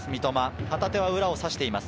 旗手は裏をさしています。